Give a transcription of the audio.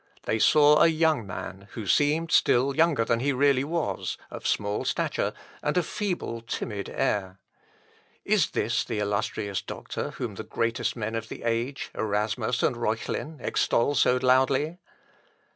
They saw a young man, who seemed still younger than he really was, of small stature, and a feeble, timid air. Is this the illustrious doctor whom the greatest men of the age, Erasmus and Reuchlin, extol so loudly?...